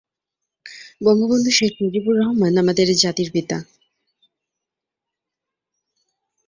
এটি মার্কিন যুক্তরাষ্ট্র, মেক্সিকো এবং ফ্রান্স ভিত্তিক সংস্থাগুলির দ্বারা নির্মিত একটি আন্তর্জাতিক চলচ্চিত্র।